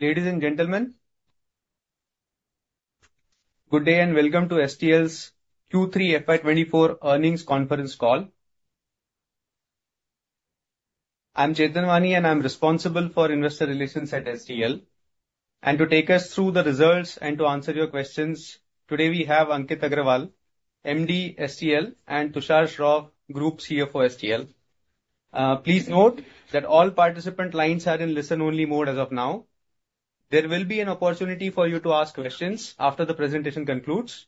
Ladies and gentlemen, good day, and welcome to STL's Q3 FY24 Earnings Conference Call. I'm Chetan Wani, and I'm responsible for investor relations at STL. To take us through the results and to answer your questions, today, we have Ankit Agarwal, MD, STL, and Tushar Shroff, Group CFO, STL. Please note that all participant lines are in listen-only mode as of now. There will be an opportunity for you to ask questions after the presentation concludes.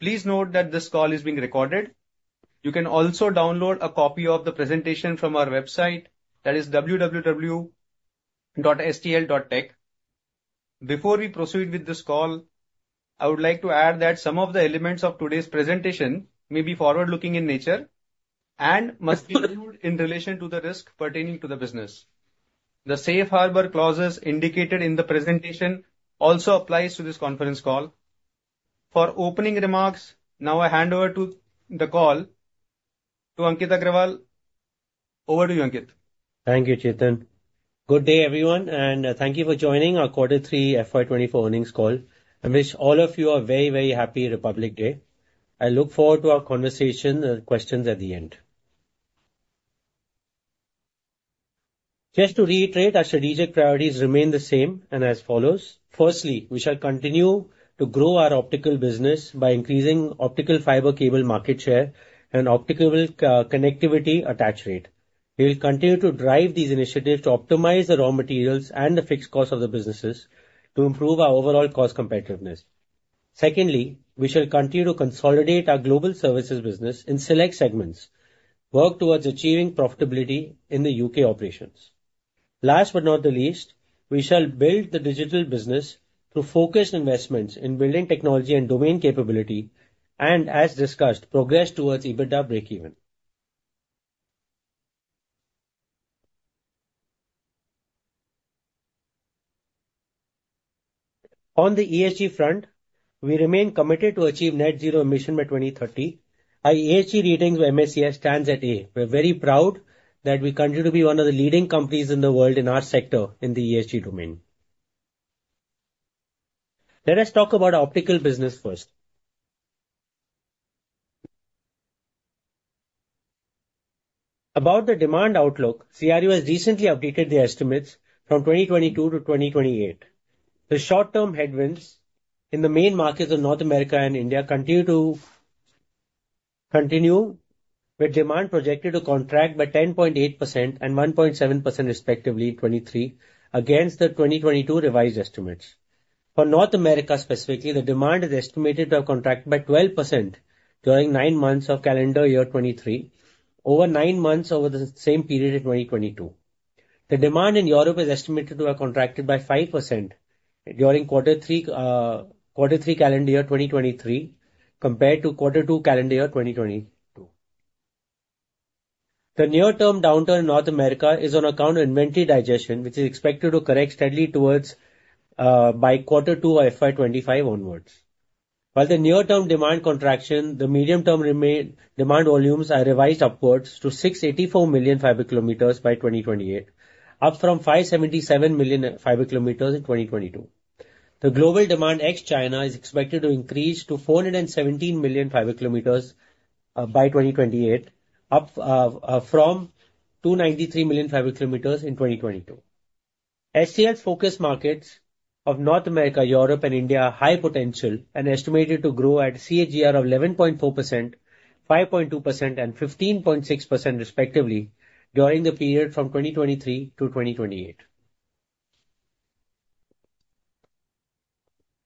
Please note that this call is being recorded. You can also download a copy of the presentation from our website, that is www.stl.tech. Before we proceed with this call, I would like to add that some of the elements of today's presentation may be forward-looking in nature and must be viewed in relation to the risk pertaining to the business. The safe harbor clauses indicated in the presentation also apply to this conference call. For opening remarks, now I hand over the call to Ankit Agarwal. Over to you, Ankit. Thank you, Chetan. Good day, everyone, and thank you for joining our Quarter three FY 2024 Earnings Call. I wish all of you a very, very happy Republic Day. I look forward to our conversation, questions at the end. Just to reiterate, our strategic priorities remain the same and as follows: firstly, we shall continue to grow our optical business by increasing optical fiber cable market share and optical connectivity attach rate. We will continue to drive these initiatives to optimize the raw materials and the fixed cost of the businesses to improve our overall cost competitiveness. Secondly, we shall continue to consolidate our global services business in select segments, work towards achieving profitability in the UK operations. Last but not the least, we shall build the digital business through focused investments in building technology and domain capability, and as discussed, progress towards EBITDA breakeven. On the ESG front, we remain committed to achieve net zero emission by 2030. Our ESG ratings by MSCI stands at A. We're very proud that we continue to be one of the leading companies in the world, in our sector, in the ESG domain. Let us talk about optical business first. About the demand outlook, CRU has recently updated the estimates from 2022 to 2028. The short-term headwinds in the main markets of North America and India continue to continue, with demand projected to contract by 10.8% and 1.7% respectively in 2023, against the 2022 revised estimates. For North America specifically, the demand is estimated to have contracted by 12% during nine months of calendar year 2023, over nine months over the same period in 2022. The demand in Europe is estimated to have contracted by 5% during quarter three calendar year 2023, compared to quarter two calendar year 2022. The near-term downturn in North America is on account of inventory digestion, which is expected to correct steadily towards by quarter two FY 2025 onwards. While the near-term demand contraction, the medium-term demand volumes are revised upwards to 684 million fiber kilometers by 2028, up from 577 million fiber kilometers in 2022. The global demand ex-China is expected to increase to 417 million fiber kilometers by 2028, up from 293 million fiber kilometers in 2022. STL's focus markets of North America, Europe, and India are high potential and estimated to grow at CAGR of 11.4%, 5.2%, and 15.6% respectively during the period from 2023 to 2028.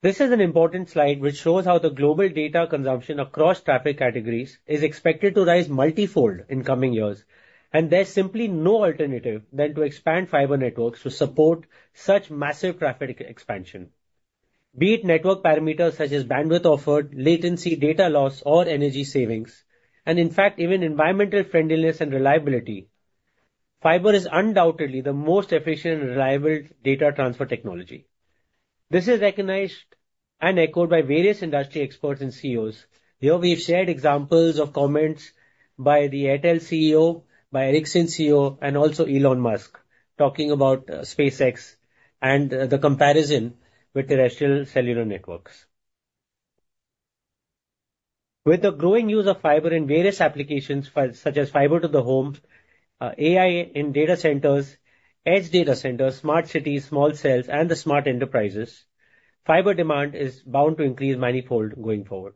This is an important slide, which shows how the global data consumption across traffic categories is expected to rise multifold in coming years, and there's simply no alternative than to expand fiber networks to support such massive traffic expansion. Be it network parameters, such as bandwidth offered, latency, data loss, or energy savings, and in fact, even environmental friendliness and reliability, fiber is undoubtedly the most efficient and reliable data transfer technology. This is recognized and echoed by various industry experts and CEOs. Here, we've shared examples of comments by the Airtel CEO, by Ericsson CEO, and also Elon Musk, talking about SpaceX and the comparison with terrestrial cellular networks. With the growing use of fiber in various applications, such as fiber to the home, AI in data centers, edge data centers, smart cities, small cells, and the smart enterprises, fiber demand is bound to increase manifold going forward.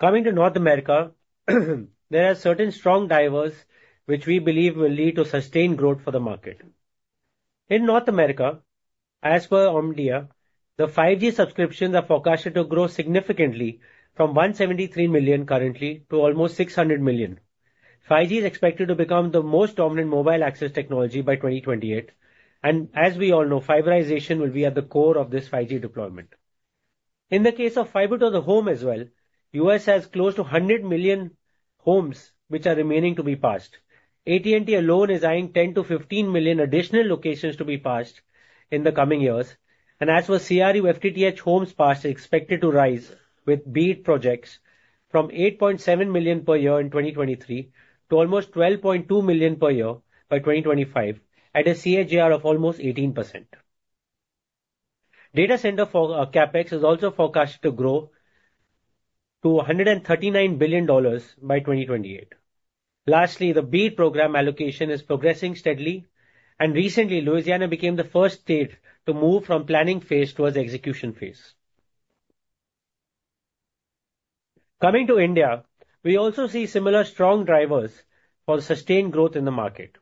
Coming to North America, there are certain strong drivers which we believe will lead to sustained growth for the market. In North America, as per Omdia, the 5G subscriptions are forecasted to grow significantly from 173 million currently to almost 600 million. 5G is expected to become the most dominant mobile access technology by 2028, and as we all know, fiberization will be at the core of this 5G deployment. In the case of fiber to the home as well, the U.S. has close to 100 million homes which are remaining to be passed. AT&T alone is eyeing 10 milion-15 million additional locations to be passed in the coming years. As for CRU, FTTH homes passed are expected to rise with build projects from 8.7 million per year in 2023 to almost 12.2 million per year by 2025, at a CAGR of almost 18%.... Data center for CapEx is also forecasted to grow to $139 billion by 2028. Lastly, the BEAD program allocation is progressing steadily, and recently, Louisiana became the first state to move from planning phase towards execution phase. Coming to India, we also see similar strong drivers for sustained growth in the market.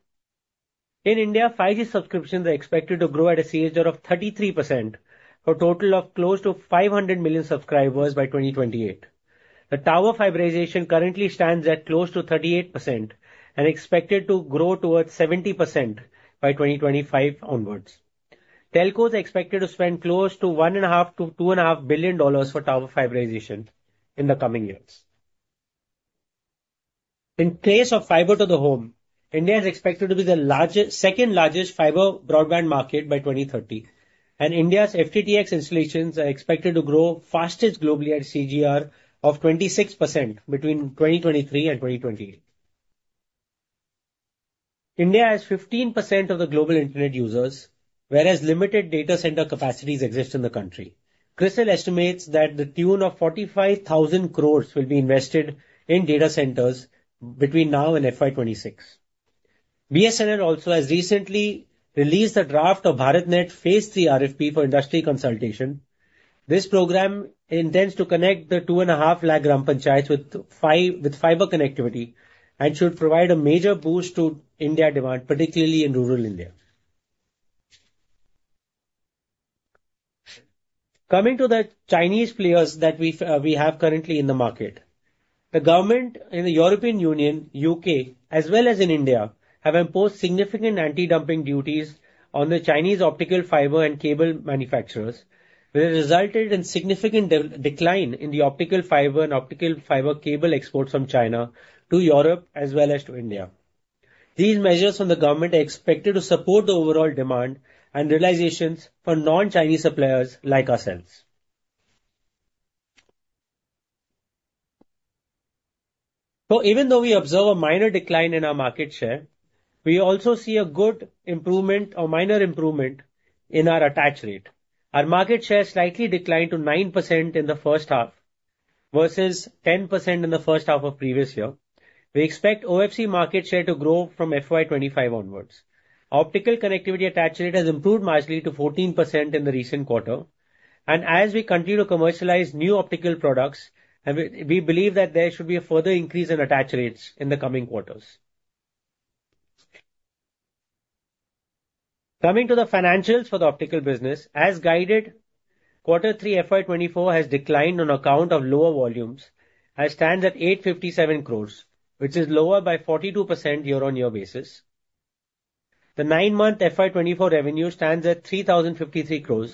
In India, 5G subscriptions are expected to grow at a CAGR of 33%, for a total of close to 500 million subscribers by 2028. The tower fiberization currently stands at close to 38% and expected to grow towards 70% by 2025 onwards. Telcos are expected to spend close to $1.5 billion-$2.5 billion for tower fiberization in the coming years. In case of fiber to the home, India is expected to be the second largest fiber broadband market by 2030, and India's FTTX installations are expected to grow fastest globally at a CAGR of 26% between 2023 and 2028. India has 15% of the global internet users, whereas limited data center capacities exist in the country. CRISIL estimates to the tune of 45,000 crore will be invested in data centers between now and FY 2026. BSNL also has recently released a draft of BharatNet Phase III RFP for industry consultation. This program intends to connect the 250,000 gram panchayats with fiber connectivity, and should provide a major boost to India demand, particularly in rural India. Coming to the Chinese players that we have currently in the market. The government in the European Union, UK, as well as in India, have imposed significant anti-dumping duties on the Chinese optical fiber and cable manufacturers, which has resulted in significant decline in the optical fiber and optical fiber cable exports from China to Europe, as well as to India. These measures from the government are expected to support the overall demand and realizations for non-Chinese suppliers like ourselves. So even though we observe a minor decline in our market share, we also see a good improvement or minor improvement in our attach rate. Our market share slightly declined to 9% in the first half, versus 10% in the first half of previous year. We expect OFC market share to grow from FY 2025 onwards. Optical connectivity attach rate has improved marginally to 14% in the recent quarter, and as we continue to commercialize new optical products, and we believe that there should be a further increase in attach rates in the coming quarters. Coming to the financials for the optical business, as guided, quarter three FY 2024 has declined on account of lower volumes, and stands at 857 crore, which is lower by 42% year-on-year basis. The nine-month FY 2024 revenue stands at 3,053 crore,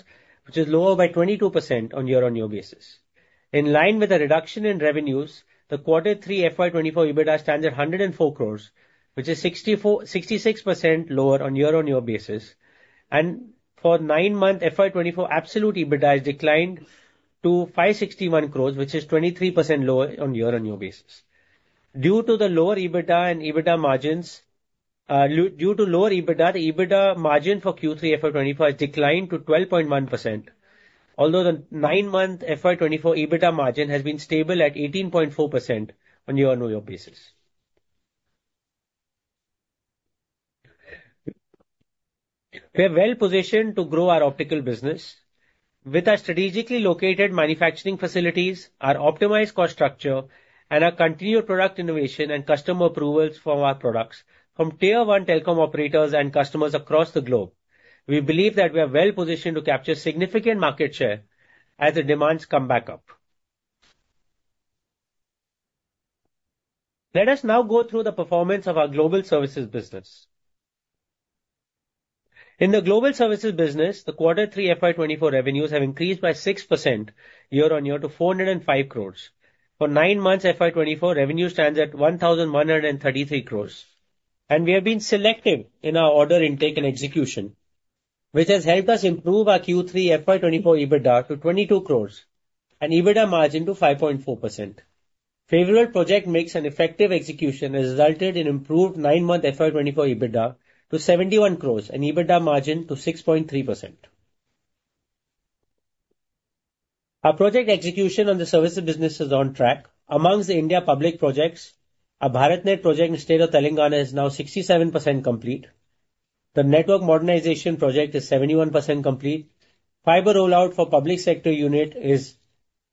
which is lower by 22% on year-on-year basis. In line with the reduction in revenues, the Q3 FY 2024 EBITDA stands at 104 crore, which is 66% lower on year-on-year basis. For nine-month FY 2024, absolute EBITDA has declined to 561 crore, which is 23% lower on year-on-year basis. Due to the lower EBITDA and EBITDA margins, due to lower EBITDA, the EBITDA margin for Q3 FY 2024 has declined to 12.1%, although the nine-month FY 2024 EBITDA margin has been stable at 18.4% on year-on-year basis. We are well positioned to grow our optical business. With our strategically located manufacturing facilities, our optimized cost structure, and our continued product innovation and customer approvals for our products from tier-one telecom operators and customers across the globe, we believe that we are well positioned to capture significant market share as the demands come back up. Let us now go through the performance of our global services business. In the global services business, the Q3 FY 2024 revenues have increased by 6% year-on-year to 405 crores. For nine months, FY 2024 revenue stands at 1,133 crores, and we have been selective in our order intake and execution, which has helped us improve our Q3 FY 2024 EBITDA to 22 crores, and EBITDA margin to 5.4%. Favored project mix and effective execution has resulted in improved nine-month FY 2024 EBITDA to 71 crore and EBITDA margin to 6.3%. Our project execution on the services business is on track. Among the Indian public projects, our BharatNet project in the state of Telangana is now 67% complete. The network modernization project is 71% complete. Fiber rollout for public sector unit is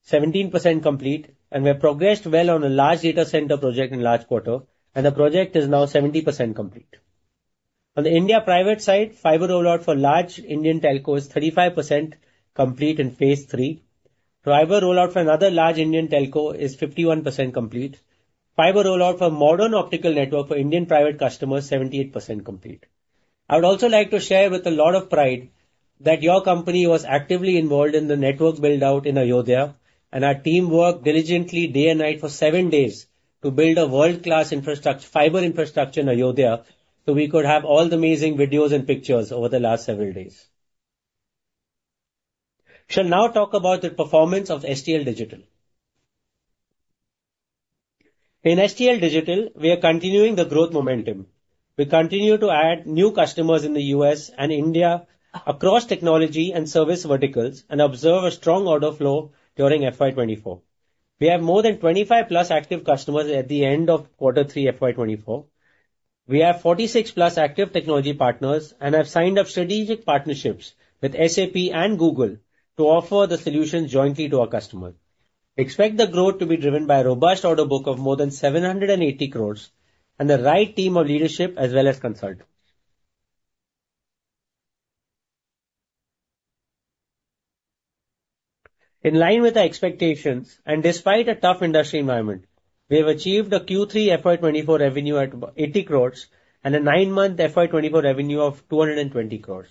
17% complete, and we have progressed well on a large data center project in last quarter, and the project is now 70% complete. On the Indian private side, fiber rollout for large Indian telco is 35% complete in phase three. Fiber rollout for another large Indian telco is 51% complete. Fiber rollout for modern optical network for Indian private customers, 78% complete. I would also like to share with a lot of pride, that your company was actively involved in the network build-out in Ayodhya, and our team worked diligently day and night for seven days, to build a world-class fiber infrastructure in Ayodhya, so we could have all the amazing videos and pictures over the last several days. I shall now talk about the performance of STL Digital. In STL Digital, we are continuing the growth momentum. We continue to add new customers in the U.S. and India across technology and service verticals, and observe a strong order flow during FY 2024. We have more than 25+ active customers at the end of quarter three, FY 2024. We have 46+ active technology partners, and have signed up strategic partnerships with SAP and Google to offer the solutions jointly to our customer. Expect the growth to be driven by a robust order book of more than 780 crore, and the right team of leadership as well as consult. In line with our expectations, and despite a tough industry environment, we have achieved a Q3 FY 2024 revenue at 80 crore and a nine-month FY 2024 revenue of 220 crore.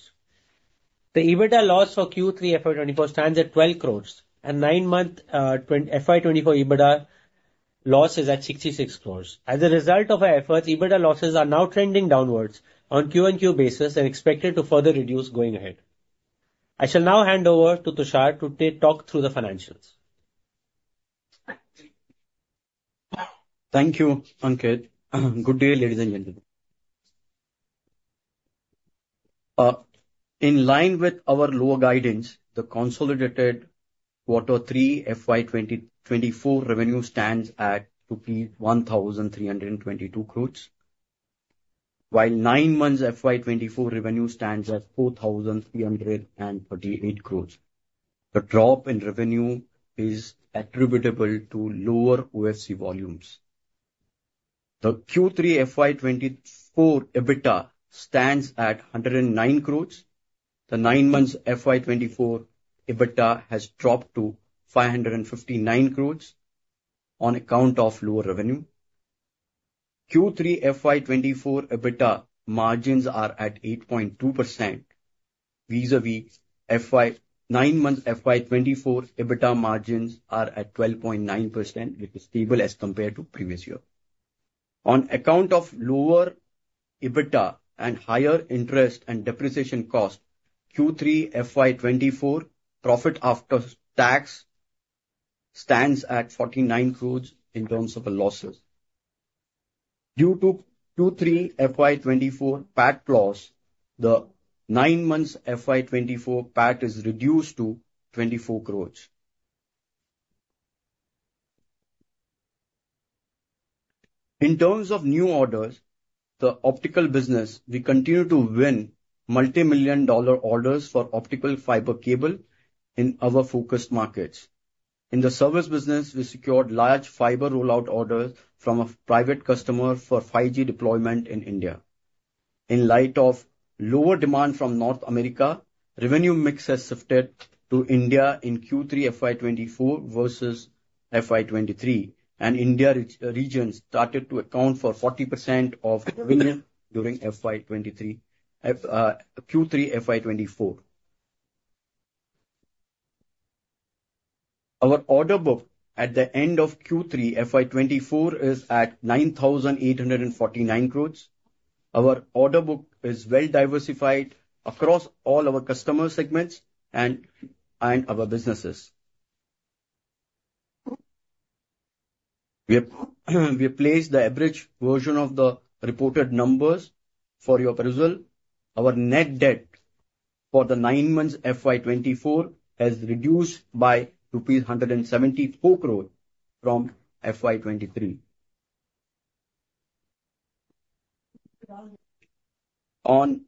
The EBITDA loss for Q3 FY 2024 stands at 12 crore, and nine-month FY 2024 EBITDA loss is at 66 crore. As a result of our efforts, EBITDA losses are now trending downwards on Q-on-Q basis and expected to further reduce going ahead. I shall now hand over to Tushar to take talk through the financials. Thank you, Ankit. Good day, ladies and gentlemen. In line with our lower guidance, the consolidated quarter three FY 2024 revenue stands at 1,322 crore, while nine months FY 2024 revenue stands at 4,338 crore. The drop in revenue is attributable to lower OFC volumes. The Q3 FY 2024 EBITDA stands at 109 crore. The nine months FY 2024 EBITDA has dropped to 559 crore on account of lower revenue. Q3 FY 2024 EBITDA margins are at 8.2% vis-à-vis FY-- nine months FY 2024 EBITDA margins are at 12.9%, which is stable as compared to previous year. On account of lower EBITDA and higher interest and depreciation cost, Q3 FY 2024 profit after tax stands at 49 crore in terms of the losses. Due to Q3 FY 2024 PAT loss, the nine months FY 2024 PAT is reduced to 24 crore. In terms of new orders, the optical business, we continue to win multimillion dollar orders for optical fiber cable in our focused markets. In the service business, we secured large fiber rollout orders from a private customer for 5G deployment in India. In light of lower demand from North America, revenue mix has shifted to India in Q3 FY 2024 versus FY 2023, and India region started to account for 40% of revenue during Q3 FY 2024. Our order book at the end of Q3 FY 2024 is at 9,849 crore. Our order book is well diversified across all our customer segments and our businesses. We have placed the average version of the reported numbers for your perusal. Our net debt for the nine months FY 2024 has reduced by rupees 174 crore from FY 2023. On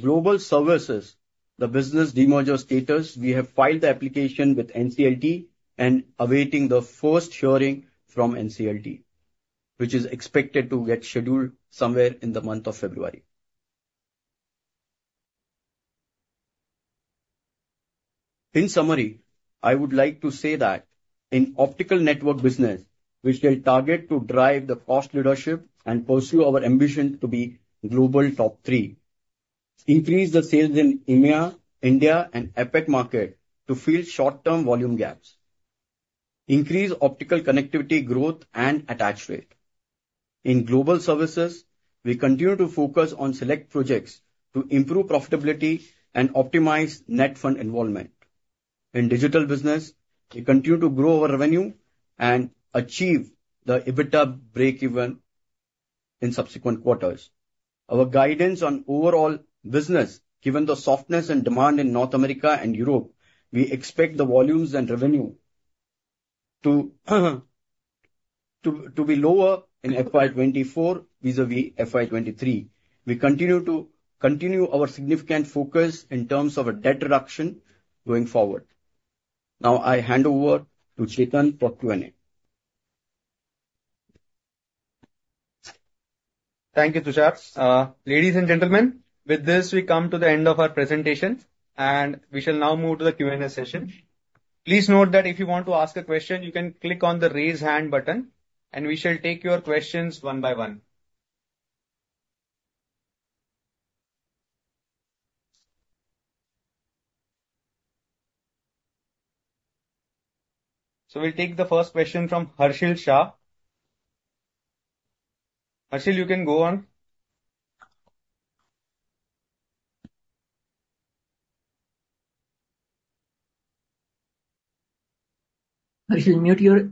global services, the business demerger status, we have filed the application with NCLT and awaiting the first hearing from NCLT, which is expected to get scheduled somewhere in the month of February. In summary, I would like to say that in optical network business, we shall target to drive the cost leadership and pursue our ambition to be global top three. Increase the sales in EMEA, India, and APAC market to fill short-term volume gaps. Increase optical connectivity, growth, and attach rate. In global services, we continue to focus on select projects to improve profitability and optimize net fund involvement. In digital business, we continue to grow our revenue and achieve the EBITDA breakeven in subsequent quarters. Our guidance on overall business, given the softness and demand in North America and Europe, we expect the volumes and revenue to be lower in FY 2024 vis-à-vis FY 2023. We continue to continue our significant focus in terms of a debt reduction going forward. Now, I hand over to Chetan for Q&A. Thank you, Tushar. Ladies and gentlemen, with this, we come to the end of our presentation, and we shall now move to the Q&A session. Please note that if you want to ask a question, you can click on the Raise Hand button, and we shall take your questions one by one. So we'll take the first question from Harshal Shah. Harshal, you can go on.... Harshal,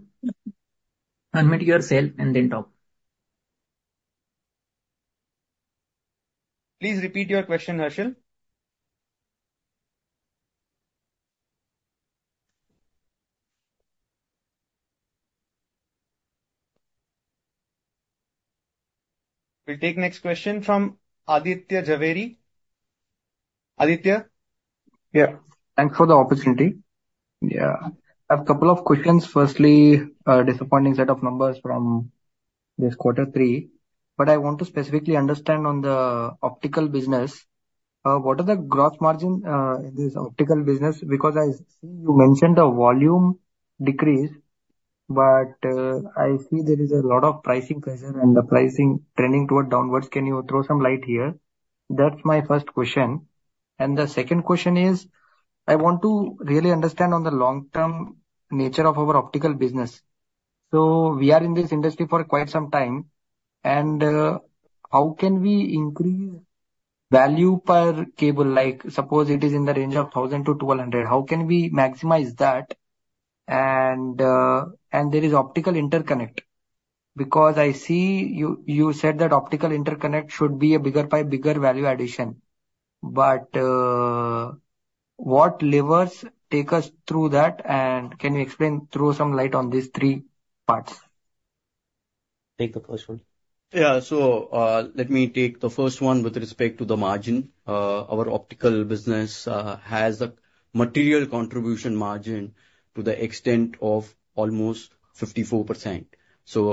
unmute yourself and then talk. Please repeat your question, Harshal. We'll take next question from Aditya Jhaveri. Aditya? Yeah. Thanks for the opportunity. Yeah, I have a couple of questions. Firstly, disappointing set of numbers from this quarter three, but I want to specifically understand on the optical business, what are the gross margin in this optical business? Because I see you mentioned the volume decreased, but I see there is a lot of pricing pressure and the pricing trending toward downwards. Can you throw some light here? That's my first question. And the second question is, I want to really understand on the long-term nature of our optical business. So we are in this industry for quite some time, and how can we increase value per cable? Like, suppose it is in the range of 1,000-1,200, how can we maximize that? And, and there is optical interconnect, because I see you, you said that optical interconnect should be a bigger pie, bigger value addition. But, what levers take us through that, and can you explain, throw some light on these three parts? Take the first one. Yeah. So, let me take the first one with respect to the margin. Our optical business has a material contribution margin to the extent of almost 54%. So,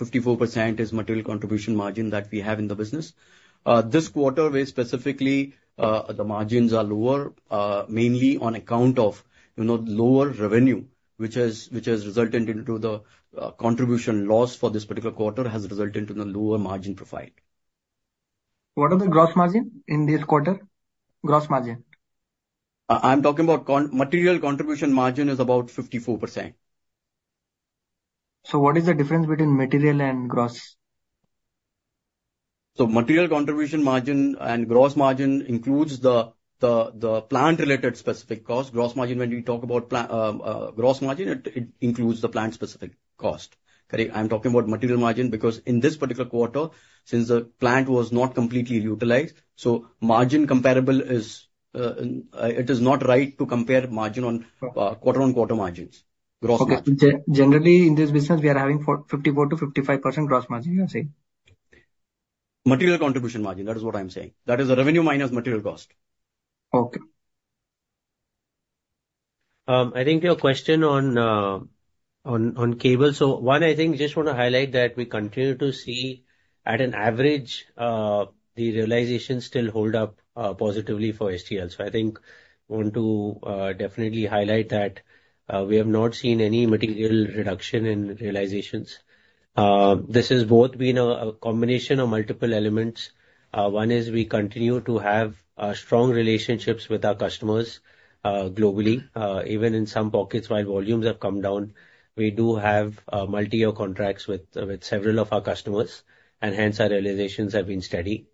54% is material contribution margin that we have in the business. This quarter, we specifically, the margins are lower, mainly on account of, you know, lower revenue, which has resulted into the contribution loss for this particular quarter, has resulted in the lower margin profile. What are the gross margin in this quarter? Gross margin. I'm talking about material contribution margin is about 54%. What is the difference between material and gross? So material contribution margin and gross margin includes the plant-related specific cost. Gross margin, when we talk about gross margin, it includes the plant specific cost. Okay, I'm talking about material margin, because in this particular quarter, since the plant was not completely utilized, so margin comparable is it is not right to compare margin on quarter-on-quarter margins, gross margin. Okay. Generally, in this business, we are having for 54%-55% gross margin, you're saying? Material contribution margin, that is what I'm saying. That is the revenue minus material cost. Okay. I think your question on, on cable, so one, I think just want to highlight that we continue to see at an average, the realization still hold up, positively for STL. So I think I want to, definitely highlight that, we have not seen any material reduction in realizations. This has both been a combination of multiple elements: one is we continue to have, strong relationships with our customers, globally. Even in some pockets, while volumes have come down, we do have, multi-year contracts with several of our customers, and hence our realizations have been steady.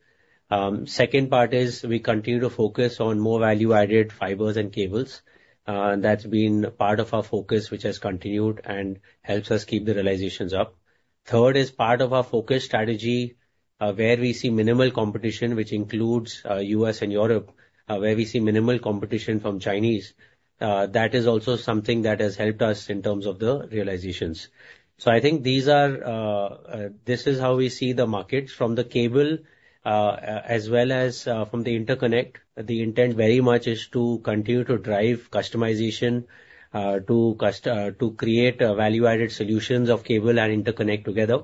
Second part is we continue to focus on more value-added fibers and cables. That's been part of our focus, which has continued and helps us keep the realizations up. Third is part of our focus strategy, where we see minimal competition, which includes, US and Europe, where we see minimal competition from Chinese. That is also something that has helped us in terms of the realizations. So I think these are, this is how we see the markets from the cable, as well as, from the interconnect. The intent very much is to continue to drive customization, to create, value-added solutions of cable and interconnect together.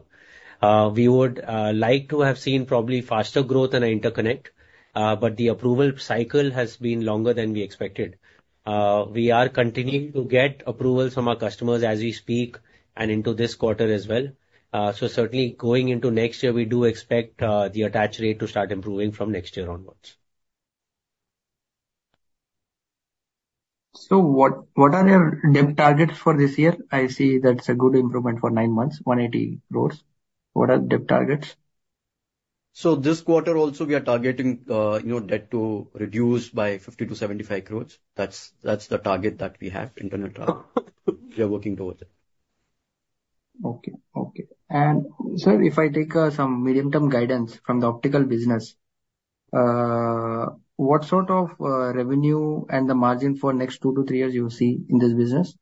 We would like to have seen probably faster growth in our interconnect, but the approval cycle has been longer than we expected. We are continuing to get approvals from our customers as we speak, and into this quarter as well. So certainly going into next year, we do expect the Attach Rate to start improving from next year onwards. So what are your debt targets for this year? I see that's a good improvement for nine months, 180 crores. What are the debt targets? This quarter also we are targeting your debt to reduce by 50-75 crore. That's, that's the target that we have internally. We are working towards it. Okay, okay. Sir, if I take some medium-term guidance from the optical business, what sort of revenue and the margin for next two three years you see in this business?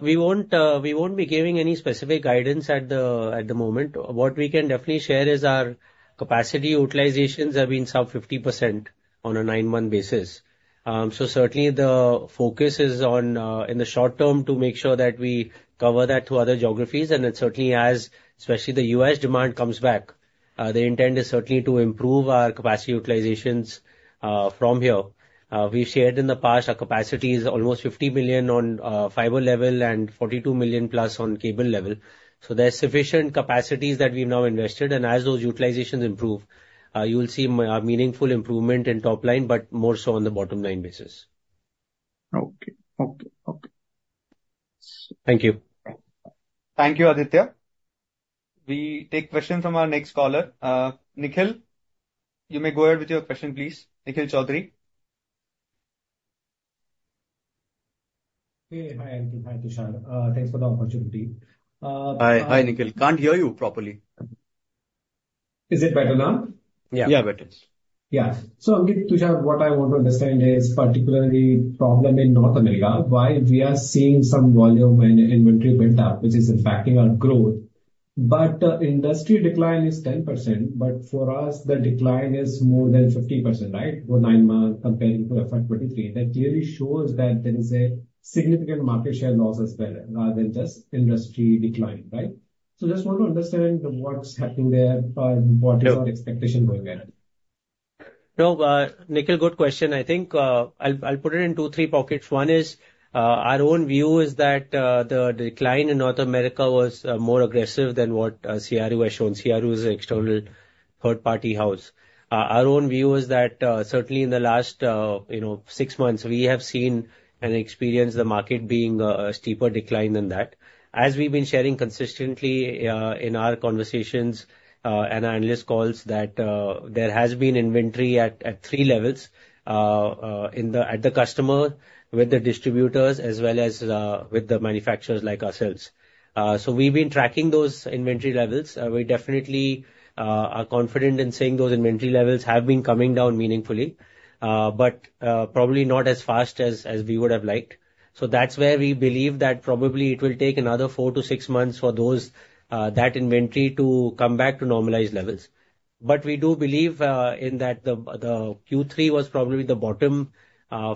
We won't be giving any specific guidance at the moment. What we can definitely share is our capacity utilizations have been some 50% on a nine-month basis. So certainly the focus is on in the short term to make sure that we cover that to other geographies, and then certainly as especially the U.S. demand comes back, the intent is certainly to improve our capacity utilizations from here. We've shared in the past, our capacity is almost 50 million on fiber level and 42 million plus on cable level, so there's sufficient capacities that we've now invested. And as those utilizations improve, you will see a meaningful improvement in top line, but more so on the bottom line basis. Okay. Okay.... Thank you. Thank you, Aditya. We take question from our next caller. Nikhil, you may go ahead with your question, please. Nikhil Choudhary. Hey. Hi, Ankit. Hi, Tushar. Thanks for the opportunity. Hi. Hi, Nikhil. Can't hear you properly. Is it better now? Yeah, better. Yeah. Yeah. So Ankit, Tushar, what I want to understand is particularly problem in North America, why we are seeing some volume in inventory build-up, which is impacting our growth. But, industry decline is 10%, but for us the decline is more than 15%, right? For nine months comparing to FY 2023. That clearly shows that there is a significant market share loss as well, rather than just industry decline, right? So just want to understand what's happening there, what is our expectation going ahead? No, Nikhil, good question. I think, I'll, I'll put it in two, three pockets. One is, our own view is that, the decline in North America was, more aggressive than what, CRU has shown. CRU is an external third party house. Our own view is that, certainly in the last, you know, six months, we have seen and experienced the market being a steeper decline than that. As we've been sharing consistently, in our conversations, and analyst calls, that, there has been inventory at three levels, in the... at the customer, with the distributors, as well as, with the manufacturers like ourselves. So we've been tracking those inventory levels. We definitely are confident in saying those inventory levels have been coming down meaningfully, but probably not as fast as we would have liked. So that's where we believe that probably it will take another four to six months for those that inventory to come back to normalized levels. But we do believe in that the Q3 was probably the bottom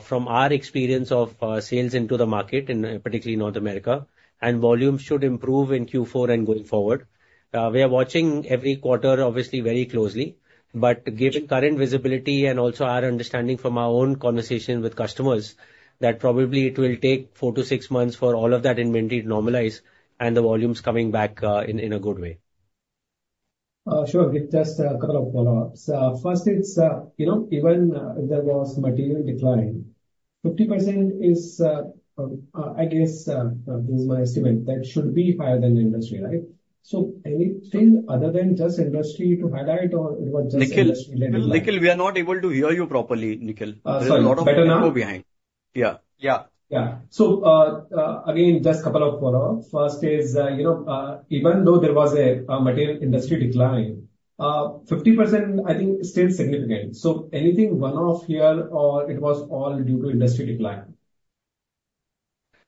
from our experience of sales into the market, in particularly North America, and volumes should improve in Q4 and going forward. We are watching every quarter obviously very closely, but given current visibility and also our understanding from our own conversation with customers, that probably it will take four to six months for all of that inventory to normalize and the volumes coming back in a good way. Sure, just a couple of follow-ups. First, it's, you know, even if there was material decline, 50% is, I guess, in my estimate, that should be higher than the industry, right? So anything other than just industry to highlight or it was just- Nikhil, Nikhil, we are not able to hear you properly, Nikhil. Sorry. Better now? There's a lot of echo behind. Yeah. Yeah. Yeah. So, again, just couple of follow-up. First is, you know, even though there was a material industry decline, 50% I think is still significant. So anything one-off here, or it was all due to industry decline?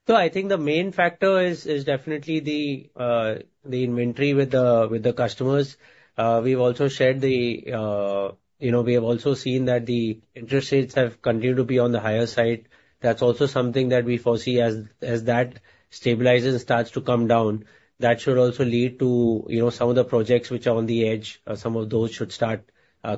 So I think the main factor is definitely the inventory with the customers. We've also shared... You know, we have also seen that the interest rates have continued to be on the higher side. That's also something that we foresee as that stabilizes and starts to come down, that should also lead to, you know, some of the projects which are on the edge, some of those should start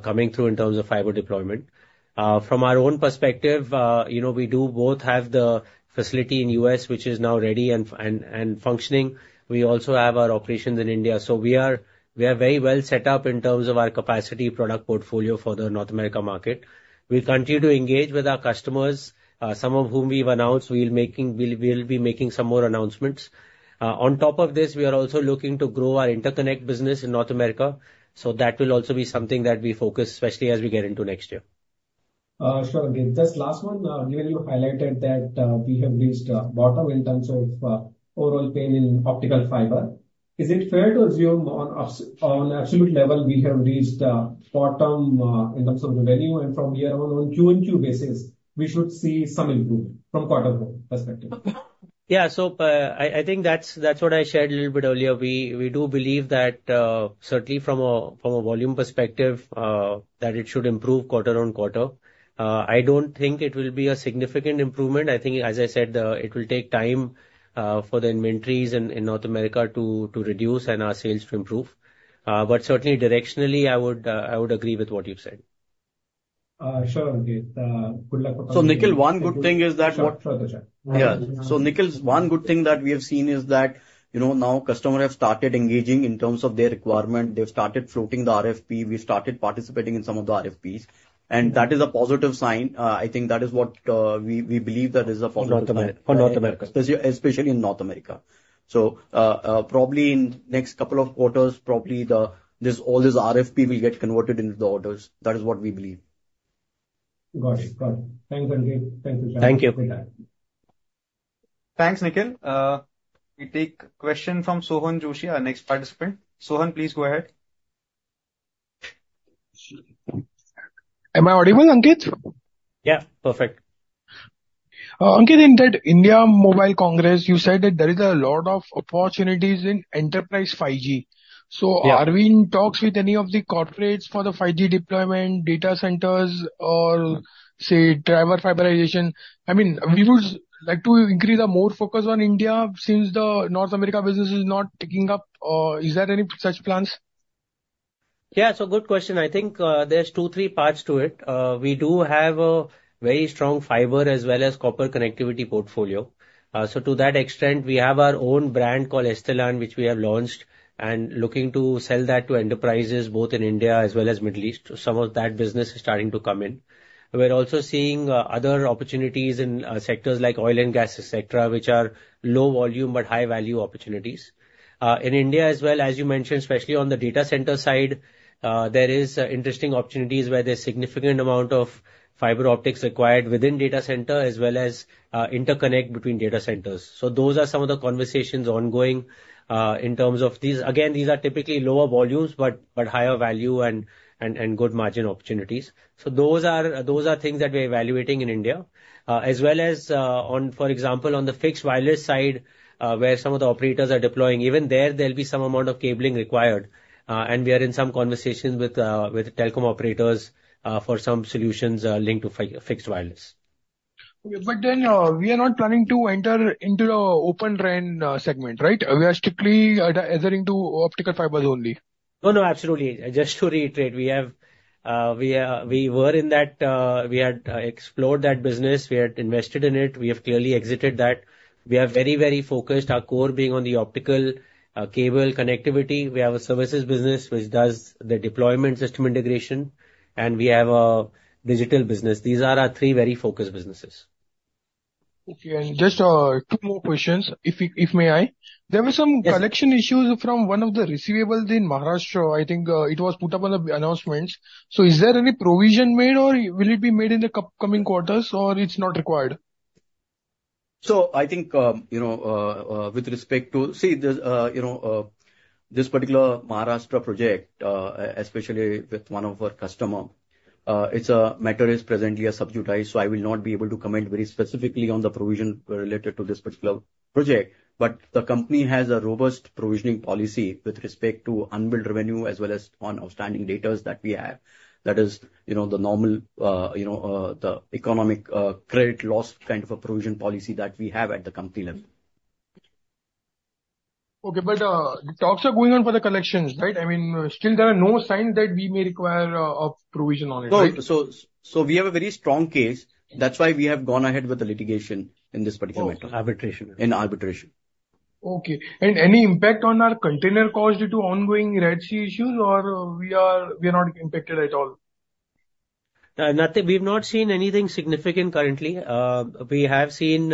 coming through in terms of fiber deployment. From our own perspective, you know, we do both have the facility in U.S., which is now ready and functioning. We also have our operations in India. So we are very well set up in terms of our capacity product portfolio for the North America market. We continue to engage with our customers, some of whom we've announced. We'll be making some more announcements. On top of this, we are also looking to grow our interconnect business in North America, so that will also be something that we focus, especially as we get into next year. Sure, Ankit. Just last one, given you highlighted that we have reached bottom in terms of overall pain in optical fiber, is it fair to assume on absolute level we have reached bottom in terms of the revenue, and from here on, on Q-and-Q basis, we should see some improvement from quarter perspective? Yeah. So, I think that's what I shared a little bit earlier. We do believe that certainly from a volume perspective that it should improve quarter-on-quarter. I don't think it will be a significant improvement. I think, as I said, it will take time for the inventories in North America to reduce and our sales to improve. But certainly directionally, I would agree with what you've said. Sure, Ankit. Good luck with- So, Nikhil, one good thing is that what- Sure, sure, Tushar. Yeah. So Nikhil, one good thing that we have seen is that, you know, now customer have started engaging in terms of their requirement. They've started floating the RFP. We started participating in some of the RFPs, and that is a positive sign. I think that is what we believe that is a positive- For North America. Especially in North America. So, probably in next couple of quarters, probably this, all this RFP will get converted into the orders. That is what we believe. Got it. Got it. Thanks, Ankit. Thank you, Tushar. Thank you. Bye-bye. Thanks, Nikhil. We take question from Sohan Joshi, our next participant. Sohan, please go ahead. Am I audible, Ankit? Yeah, perfect. Ankit, in that India Mobile Congress, you said that there is a lot of opportunities in enterprise 5G. Yeah. So are we in talks with any of the corporates for the 5G deployment, data centers or, say, driver fiberization? I mean, we would like to increase a more focus on India, since the North America business is not picking up. Is there any such plans?... Yeah, so good question. I think, there's two, three parts to it. We do have a very strong fiber as well as copper connectivity portfolio. So to that extent, we have our own brand called Estelan, which we have launched, and looking to sell that to enterprises both in India as well as Middle East. So some of that business is starting to come in. We're also seeing other opportunities in sectors like oil and gas, et cetera, which are low volume but high value opportunities. In India as well, as you mentioned, especially on the data center side, there is interesting opportunities where there's significant amount of fiber optics required within data center as well as interconnect between data centers. So those are some of the conversations ongoing in terms of these. Again, these are typically lower volumes, but higher value and good margin opportunities. So those are things that we're evaluating in India. As well as, on, for example, on the fixed wireless side, where some of the operators are deploying, even there, there'll be some amount of cabling required, and we are in some conversations with telecom operators, for some solutions, linked to fixed wireless. Okay. But then, we are not planning to enter into the Open RAN segment, right? We are strictly adhering to optical fibers only. No, no, absolutely. Just to reiterate, we have, we are. We were in that, we had explored that business. We had invested in it. We have clearly exited that. We are very, very focused, our core being on the optical cable connectivity. We have a services business which does the deployment system integration, and we have a digital business. These are our three very focused businesses. Okay, and just, two more questions, if we, if may I? Yes. There were some collection issues from one of the receivables in Maharashtra. I think it was put up on the announcements. So is there any provision made, or will it be made in the upcoming quarters, or it's not required? So I think, you know, with respect to... See, there's, you know, this particular Maharashtra project, especially with one of our customers, it's a matter that is presently sub judice, so I will not be able to comment very specifically on the provision related to this particular project. But the company has a robust provisioning policy with respect to unbilled revenue as well as on outstanding debts that we have. That is, you know, the normal, you know, the expected credit loss kind of a provision policy that we have at the company level. Okay, but, the talks are going on for the collections, right? I mean, still there are no signs that we may require a provision on it, right? So we have a very strong case. That's why we have gone ahead with the litigation in this particular matter. Arbitration. In arbitration. Okay. Any impact on our container cost due to ongoing Red Sea issues, or we are, we are not impacted at all? Nothing. We've not seen anything significant currently. We have seen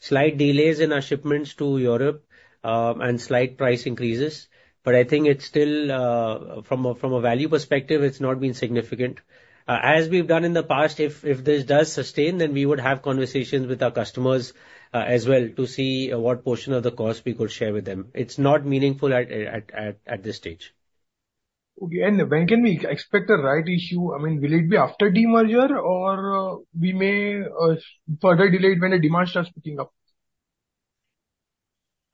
slight delays in our shipments to Europe, and slight price increases, but I think it's still from a value perspective, it's not been significant. As we've done in the past, if this does sustain, then we would have conversations with our customers, as well to see what portion of the cost we could share with them. It's not meaningful at this stage. Okay. And when can we expect the rights issue? I mean, will it be after demerger, or we may further delayed when the demand starts picking up?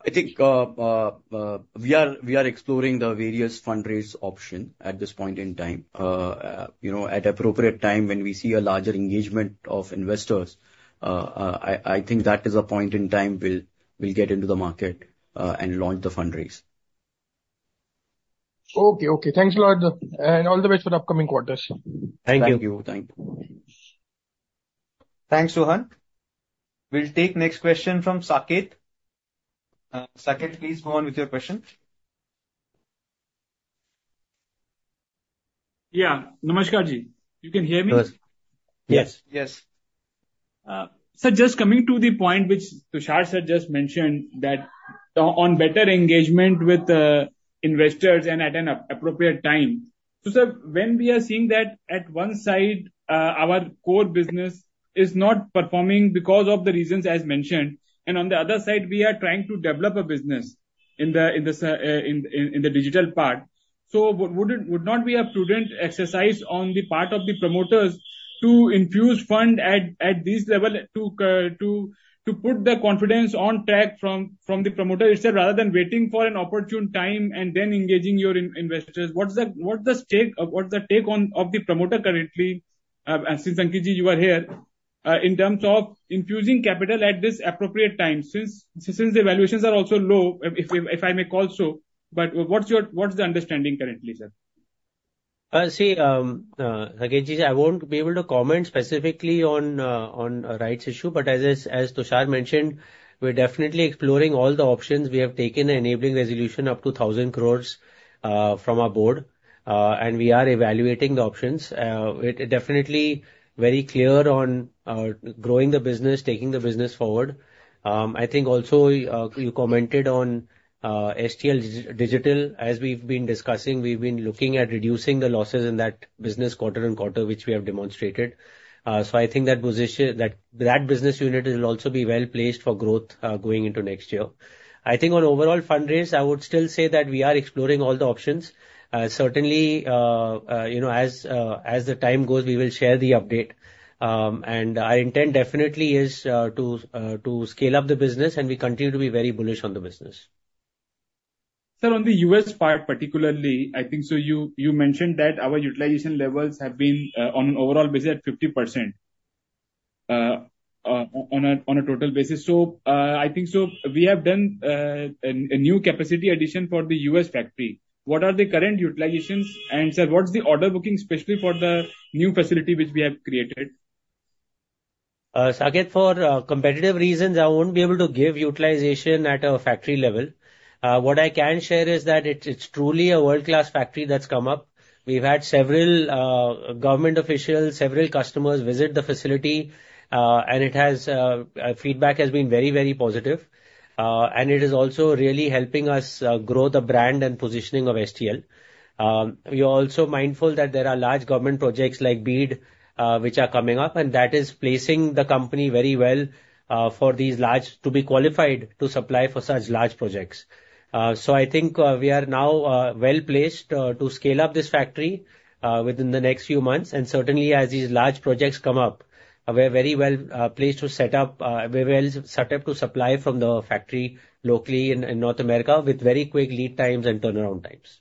I think, we are exploring the various fundraise option at this point in time. You know, at appropriate time, when we see a larger engagement of investors, I think that is a point in time we'll get into the market, and launch the fundraise. Okay. Okay. Thanks a lot, and all the best for the upcoming quarters. Thank you. Thank you. Thank you. Thanks, Sohan. We'll take next question from Saket. Saket, please go on with your question. Yeah Namaskat. Ji. You can hear me? Yes. Yes. Yes. So just coming to the point which Tushar sir just mentioned, that on better engagement with investors and at an appropriate time. So, sir, when we are seeing that at one side our core business is not performing because of the reasons as mentioned, and on the other side, we are trying to develop a business in the digital part. So would it not be a prudent exercise on the part of the promoters to infuse fund at this level, to put the confidence on track from the promoter itself, rather than waiting for an opportune time and then engaging your investors? What's the take on... Of the promoter currently, and since Ankit Ji, you are here, in terms of infusing capital at this appropriate time, since the valuations are also low, if I may call so, but what's your understanding currently, sir? See, Saket Ji, I won't be able to comment specifically on rights issue, but as Tushar mentioned, we're definitely exploring all the options. We have taken the enabling resolution up to 1,000 crore from our board, and we are evaluating the options. We're definitely very clear on growing the business, taking the business forward. I think also, you commented on STL Digital. As we've been discussing, we've been looking at reducing the losses in that business quarter and quarter, which we have demonstrated. So I think that position, that business unit will also be well-placed for growth going into next year. I think on overall fundraise, I would still say that we are exploring all the options. Certainly, you know, as the time goes, we will share the update. And our intent definitely is to scale up the business, and we continue to be very bullish on the business. Sir, on the U.S. part particularly, I think so you mentioned that our utilization levels have been on an overall basis at 50% on a total basis. So, I think so we have done a new capacity addition for the U.S. factory. What are the current utilizations? And sir, what is the order booking specifically for the new facility which we have created? Saket, for competitive reasons, I won't be able to give utilization at a factory level. What I can share is that it's truly a world-class factory that's come up. We've had several government officials, several customers visit the facility, and its feedback has been very, very positive. And it is also really helping us grow the brand and positioning of STL. We are also mindful that there are large government projects like BEAD, which are coming up, and that is placing the company very well to be qualified to supply for such large projects. So I think we are now well placed to scale up this factory within the next few months. And certainly as these large projects come up, we are very well placed to set up. We're well set up to supply from the factory locally in North America, with very quick lead times and turnaround times.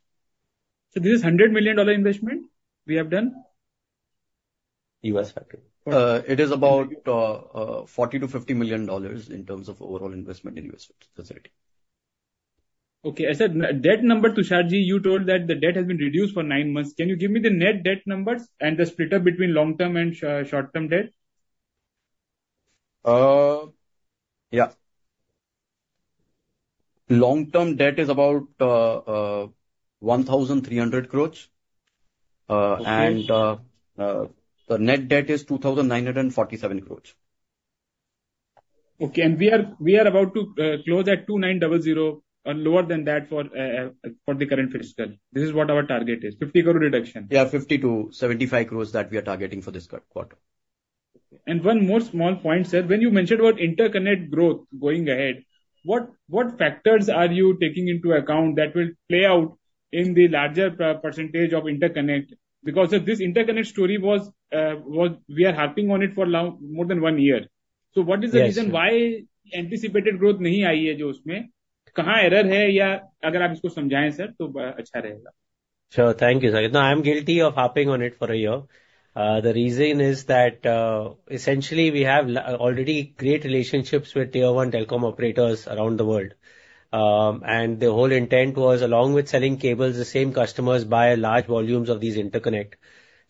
This is $100 million investment we have done? US factory. It is about $40 million-$50 million in terms of overall investment in U.S. factory. Okay. I said net debt number, Tushar Ji. You told that the debt has been reduced for nine months. Can you give me the net debt numbers and the split up between long-term and short-term debt? Yeah. Long-term debt is about 1,300 crore. Okay. The Net Debt is 2,947 crore. Okay, and we are about to close at 2,900 and lower than that for the current fiscal. This is what our target is, INR 50 crore reduction. Yeah, 50- 75 crores that we are targeting for this current quarter. One more small point, sir. When you mentioned about interconnect growth going ahead, what factors are you taking into account that will play out in the larger percentage of interconnect? Because if this interconnect story was, we are harping on it for now more than one year. Yes. What is the reason why anticipated growth? Sure. Thank you, Saket. Now, I'm guilty of harping on it for a year. The reason is that, essentially, we have already great relationships with Tier 1 telecom operators around the world. And the whole intent was, along with selling cables, the same customers buy large volumes of these interconnect.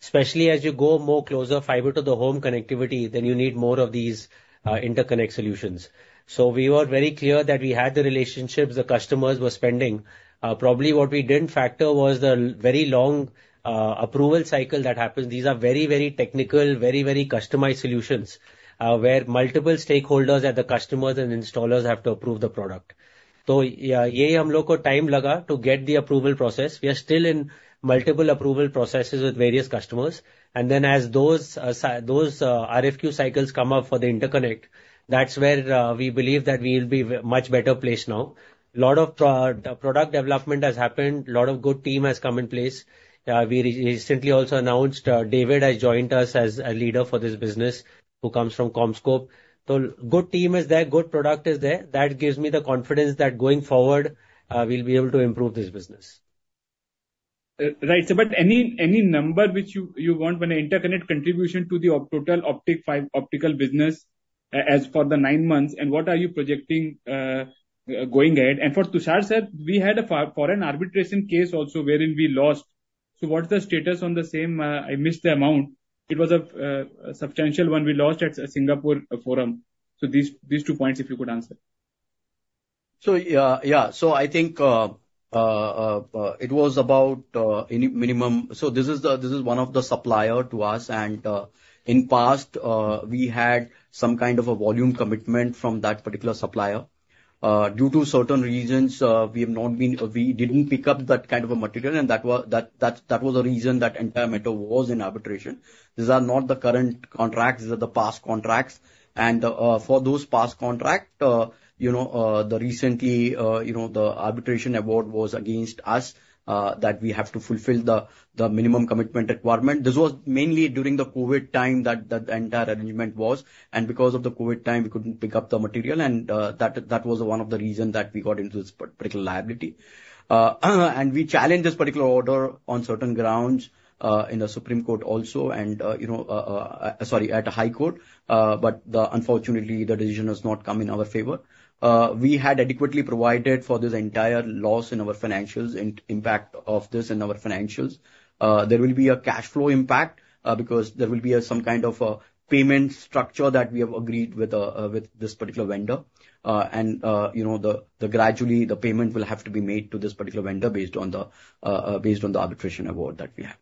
Especially as you go more closer fiber to the home connectivity, then you need more of these, interconnect solutions. So we were very clear that we had the relationships, the customers were spending. Probably what we didn't factor was the very long, approval cycle that happens. These are very, very technical, very, very customized solutions, where multiple stakeholders and the customers and installers have to approve the product. So, yeah, time laga to get the approval process. We are still in multiple approval processes with various customers, and then as those RFQ cycles come up for the interconnect, that's where we believe that we'll be much better placed now. A lot of product development has happened, a lot of good team has come in place. We recently also announced David has joined us as a leader for this business, who comes from CommScope. So good team is there, good product is there. That gives me the confidence that going forward, we'll be able to improve this business. Right. But any number which you want when interconnect contribution to the total optical business, as for the nine months, and what are you projecting going ahead? And for Tushar, sir, we had a foreign arbitration case also wherein we lost. So what's the status on the same? I missed the amount. It was a substantial one. We lost at Singapore forum. So these two points, if you could answer. So, yeah. So I think it was about minimum. So this is the, this is one of the supplier to us, and in past we had some kind of a volume commitment from that particular supplier. Due to certain reasons, we have not been, we didn't pick up that kind of a material, and that was the reason that entire matter was in arbitration. These are not the current contracts, these are the past contracts, and for those past contract, you know, recently, you know, the arbitration award was against us, that we have to fulfill the minimum commitment requirement. This was mainly during the COVID time, that entire arrangement was, and because of the COVID time, we couldn't pick up the material and, that was one of the reason that we got into this particular liability. And we challenged this particular order on certain grounds, in the Supreme Court also, and, you know, sorry, at the High Court, but unfortunately, the decision has not come in our favor. We had adequately provided for this entire loss in our financials and impact of this in our financials. There will be a cash flow impact, because there will be, some kind of a payment structure that we have agreed with, with this particular vendor. And, you know, gradually the payment will have to be made to this particular vendor based on the arbitration award that we have.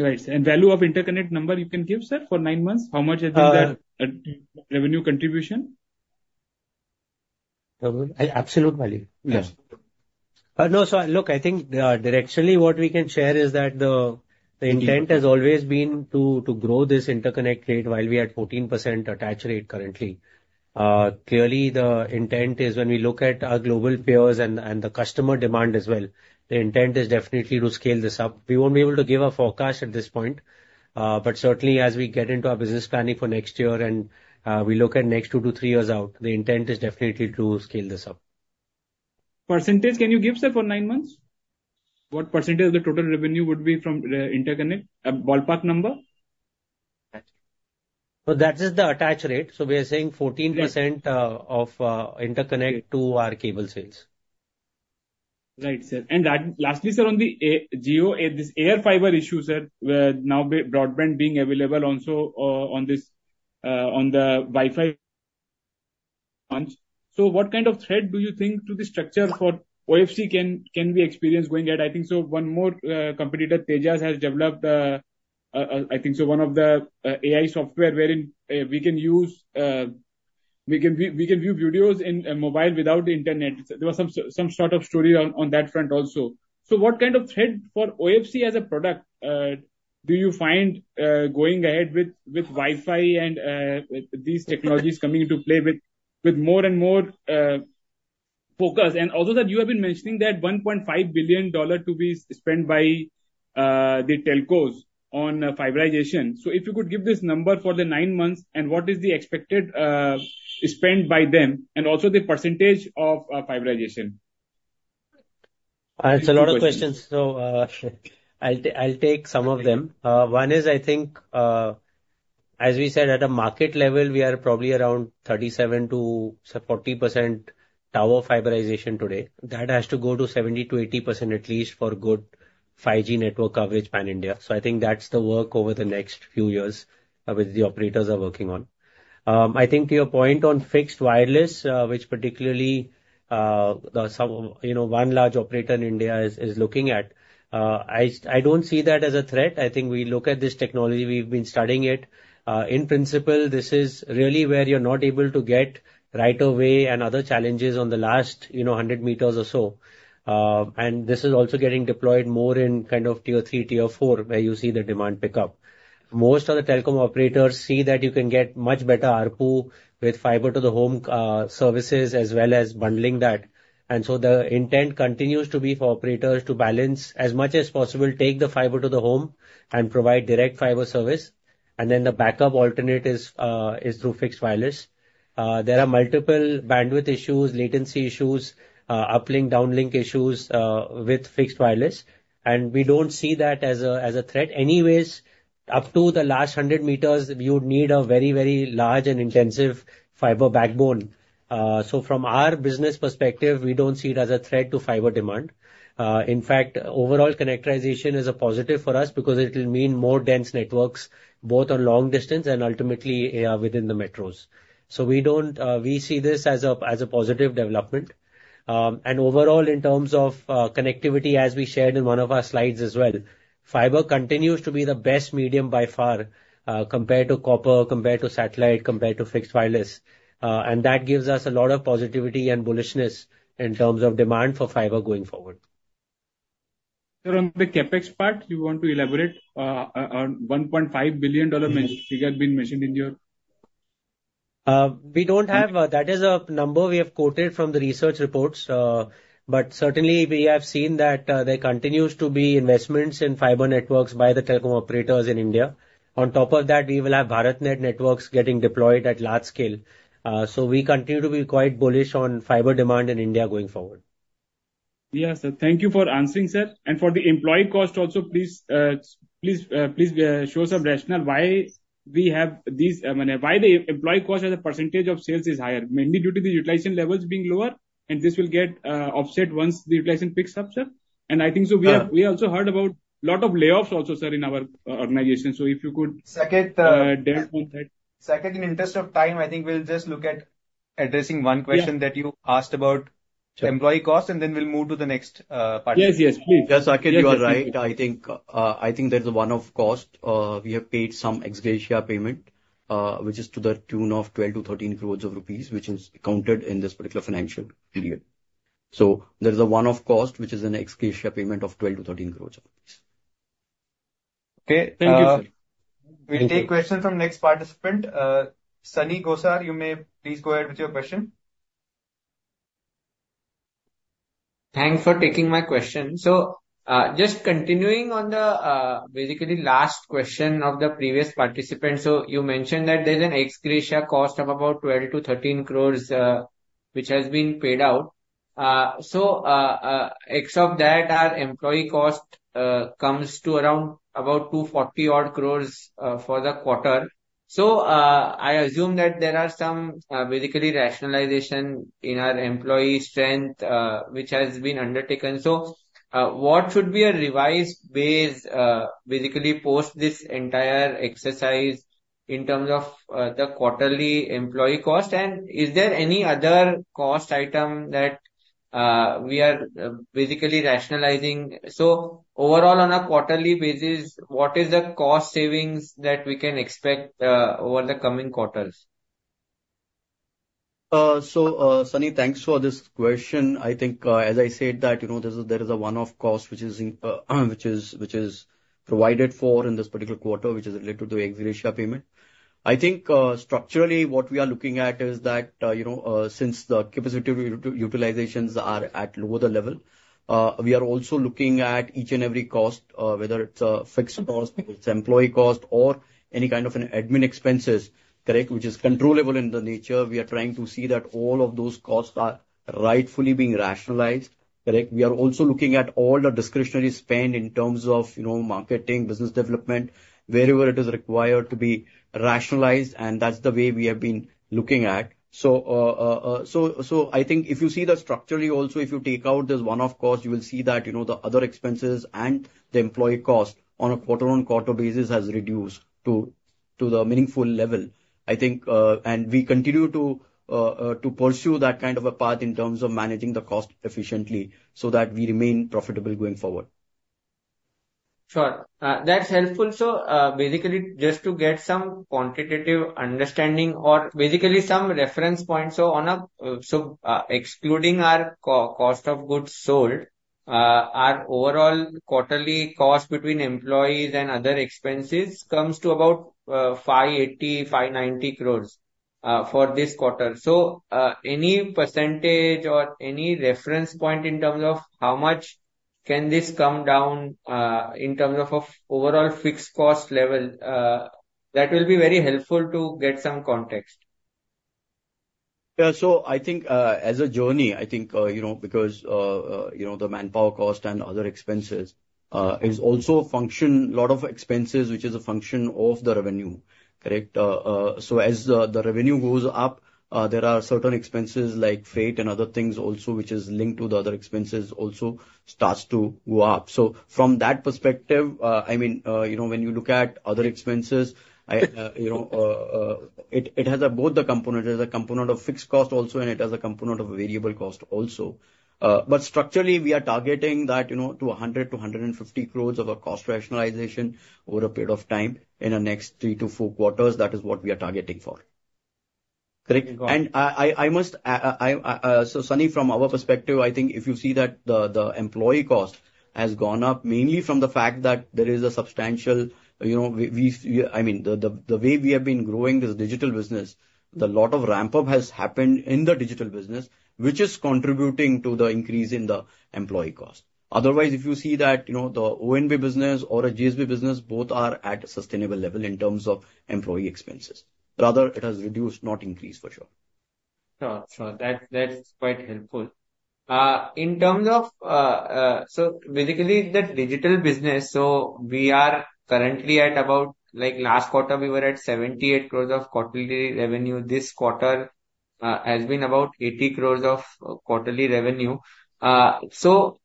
Right. Value of interconnect number you can give, sir, for nine months? How much has been the- Uh- - revenue contribution? Absolute value? Yeah. No, so look, I think, directionally, what we can share is that the intent has always been to grow this interconnect rate while we're at 14% attach rate currently. Clearly, the intent is, when we look at our global peers and the customer demand as well, the intent is definitely to scale this up. We won't be able to give a forecast at this point, but certainly as we get into our business planning for next year and we look at next two to three years out, the intent is definitely to scale this up.... percentage, can you give, sir, for nine months? What percentage of the total revenue would be from interconnect, a ballpark number? That is the attach rate, so we are saying 14%. Right. of interconnect to our cable sales. Right, sir. And that, lastly, sir, on the Jio, this AirFiber issue, sir, where now broadband being available also, on this, on the Wi-Fi front. So what kind of threat do you think to the structure for OFC can we experience going ahead? I think so one more competitor, Tejas, has developed, I think so one of the AI software wherein we can use, we can view, we can view videos in mobile without the internet. There was some sort of story on that front also. So what kind of threat for OFC as a product do you find going ahead with Wi-Fi and with these technologies coming into play with more and more focus? And also that you have been mentioning that $1.5 billion to be spent by the telcos on fiberization. So if you could give this number for the nine months, and what is the expected spend by them, and also the percentage of fiberization? It's a lot of questions, so, I'll take, I'll take some of them. One is, I think, as we said, at a market level, we are probably around 37%-40% tower fiberization today. That has to go to 70%-80%, at least, for good 5G network coverage pan-India. So I think that's the work over the next few years, which the operators are working on. I think your point on fixed wireless, which particularly, some, you know, one large operator in India is, is looking at. I don't see that as a threat. I think we look at this technology, we've been studying it. In principle, this is really where you're not able to get right of way and other challenges on the last, you know, 100 meters or so. This is also getting deployed more in kind of tier 3, tier 4, where you see the demand pick up. Most of the telecom operators see that you can get much better ARPU with fiber to the home, services as well as bundling that. So the intent continues to be for operators to balance as much as possible, take the fiber to the home and provide direct fiber service, and then the backup alternate is through fixed wireless. There are multiple bandwidth issues, latency issues, uplink, downlink issues, with fixed wireless, and we don't see that as a threat. Anyways, up to the last 100 meters, you'd need a very, very large and intensive fiber backbone. So from our business perspective, we don't see it as a threat to fiber demand. In fact, overall connectorization is a positive for us because it will mean more dense networks, both on long distance and ultimately, within the metros. So we don't, we see this as a, as a positive development. And overall, in terms of, connectivity, as we shared in one of our slides as well, fiber continues to be the best medium by far, compared to copper, compared to satellite, compared to fixed wireless. And that gives us a lot of positivity and bullishness in terms of demand for fiber going forward. Sir, on the CapEx part, you want to elaborate on $1.5 billion figure being mentioned in your? We don't have, that is a number we have quoted from the research reports, but certainly we have seen that, there continues to be investments in fiber networks by the telecom operators in India. On top of that, we will have BharatNet networks getting deployed at large scale. So we continue to be quite bullish on fiber demand in India going forward. Yeah, sir. Thank you for answering, sir. And for the employee cost also, please, please, please, show some rationale why we have these, I mean, why the employee cost as a percentage of sales is higher, mainly due to the utilization levels being lower, and this will get offset once the utilization picks up, sir? And I think so- Yeah. We also heard about a lot of layoffs also, sir, in our organization. So if you could- Saket, uh. Deal with that. Saket, in interest of time, I think we'll just look at addressing one question- Yeah. that you asked about Sure. -employee cost, and then we'll move to the next participant. Yes, yes, please. Yeah, Saket, you are right. I think, I think there's a one-off cost. We have paid some ex gratia payment, which is to the tune of 12- 13 crore rupees, which is counted in this particular financial period. So there's a one-off cost, which is an ex gratia payment of 12- 13 crore. Okay, thank you, sir. We'll take question from next participant. Sunny Gosar, you may please go ahead with your question. Thanks for taking my question. So, just continuing on the, basically last question of the previous participant. So you mentioned that there's an ex gratia cost of about 12- 13 crores, which has been paid out. So, except that our employee cost comes to around about 240 odd crores, for the quarter. So, I assume that there are some, basically rationalization in our employee strength, which has been undertaken. So, what should be a revised base, basically post this entire exercise in terms of, the quarterly employee cost? And is there any other cost item that, we are basically rationalizing? So overall, on a quarterly basis, what is the cost savings that we can expect, over the coming quarters?... So, Sunny, thanks for this question. I think, as I said, that, you know, there's a, there is a one-off cost which is in, which is, which is provided for in this particular quarter, which is related to the ex gratia payment. I think, structurally, what we are looking at is that, you know, since the capacity utilizations are at lower level, we are also looking at each and every cost, whether it's a fixed cost, whether it's employee cost or any kind of an admin expenses, correct, which is controllable in the nature. We are trying to see that all of those costs are rightfully being rationalized, correct? We are also looking at all the discretionary spend in terms of, you know, marketing, business development, wherever it is required to be rationalized, and that's the way we have been looking at. So, I think if you see the structurally also if you take out this one-off cost, you will see that, you know, the other expenses and the employee cost on a quarter-on-quarter basis has reduced to the meaningful level. I think, and we continue to pursue that kind of a path in terms of managing the cost efficiently so that we remain profitable going forward. Sure. That's helpful, sir. Basically, just to get some quantitative understanding or basically some reference points, so excluding our cost of goods sold, our overall quarterly cost between employees and other expenses comes to about 580-590 crores for this quarter. So any percentage or any reference point in terms of how much can this come down in terms of overall fixed cost level that will be very helpful to get some context. Yeah. So I think, as a journey, I think, you know, because, you know, the manpower cost and other expenses, is also a function, lot of expenses, which is a function of the revenue, correct? So as the, the revenue goes up, there are certain expenses like freight and other things also, which is linked to the other expenses also starts to go up. So from that perspective, I mean, you know, it has both the component. There's a component of fixed cost also, and it has a component of variable cost also. But structurally, we are targeting that you know, to 100 crore-150 crore of a cost rationalization over a period of time in the next three to four quarters. That is what we are targeting for. Correct? Got it. So, Sunny, from our perspective, I think if you see that the employee cost has gone up, mainly from the fact that there is a substantial, you know, we've—I mean, the way we have been growing this digital business, the lot of ramp-up has happened in the digital business, which is contributing to the increase in the employee cost. Otherwise, if you see that, you know, the ONB business or a GSB business, both are at a sustainable level in terms of employee expenses. Rather, it has reduced, not increased, for sure. Sure. Sure, that, that's quite helpful. In terms of... So basically, the digital business, so we are currently at about, like, last quarter, we were at 78 crore of quarterly revenue. This quarter has been about 80 crore of quarterly revenue. So,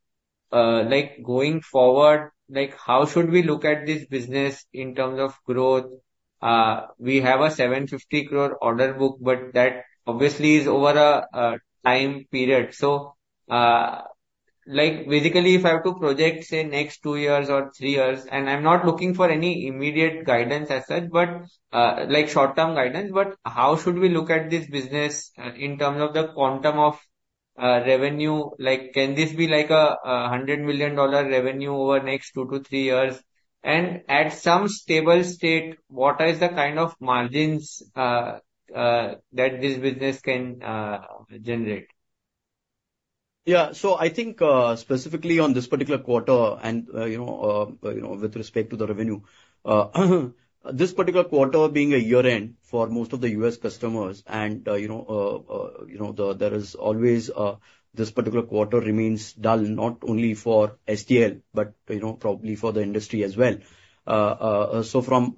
like, going forward, like, how should we look at this business in terms of growth? We have a 750 crore order book, but that obviously is over a time period. So, like, basically, if I have to project, say, next two years or three years, and I'm not looking for any immediate guidance as such, but, like short-term guidance, but how should we look at this business in terms of the quantum of revenue? Like, can this be like a $100 million revenue over the next two to three years? At some stable state, what is the kind of margins that this business can generate? Yeah. So I think, specifically on this particular quarter and, you know, you know, with respect to the revenue, this particular quarter being a year-end for most of the U.S. customers, and, you know, you know, there is always, this particular quarter remains dull, not only for STL, but, you know, probably for the industry as well. So from,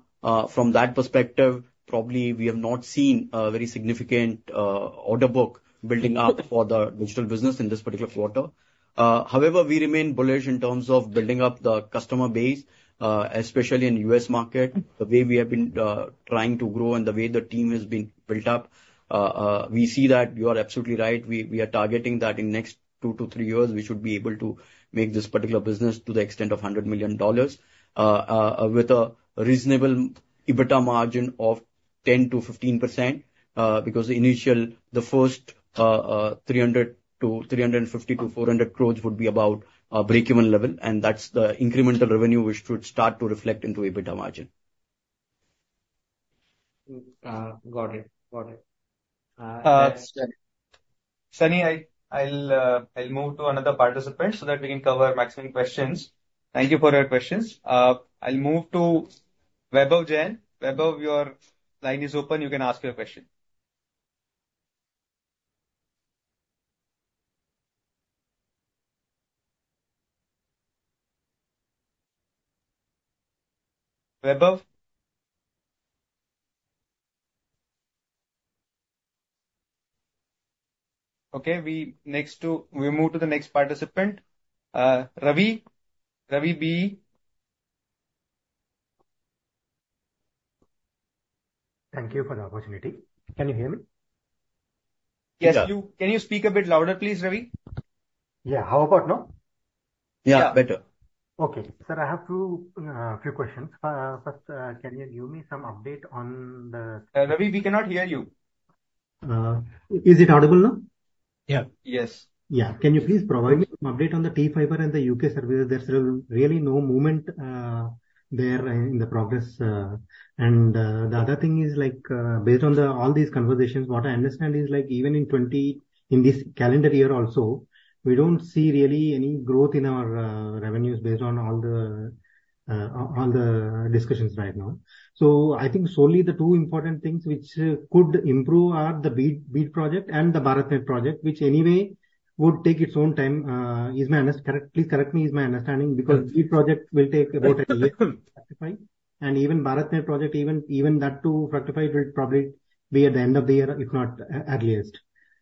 from that perspective, probably we have not seen a very significant, order book building up for the digital business in this particular quarter. However, we remain bullish in terms of building up the customer base, especially in the U.S. market, the way we have been, trying to grow and the way the team is being built up. We see that you are absolutely right. We, we are targeting that in next two to three years, we should be able to make this particular business to the extent of $100 million, with a reasonable EBITDA margin of 10%-15%, because the initial, the first, 300 crore to 350 crore to 400 crore would be about our breakeven level, and that's the incremental revenue which should start to reflect into EBITDA margin. Got it. Got it. That's- Sunny, I'll move to another participant so that we can cover maximum questions. Thank you for your questions. I'll move to Vaibhav Jain. Vaibhav, your line is open, you can ask your question. Vaibhav? Okay, we move to the next participant. Ravi. Ravi B. Thank you for the opportunity. Can you hear me? Yes. Can you speak a bit louder, please, Ravi? Yeah. How about now?... Yeah, better. Okay. Sir, I have two, few questions. First, can you give me some update on the- Ravi, we cannot hear you. Is it audible now? Yeah. Yes. Yeah. Can you please provide me an update on the T-Fiber and the UK service? There's really no movement there in the progress. The other thing is like, based on all these conversations, what I understand is like even in 2024, in this calendar year also, we don't see really any growth in our revenues based on all the discussions right now. So I think solely the two important things which could improve are the BEAD, BEAD project and the BharatNet project, which anyway would take its own time. Is my understanding correct? Please correct me, is my understanding? Because BEAD project will take about a year to rectify, and even BharatNet project, even that too, rectify it, will probably be at the end of the year, if not at earliest.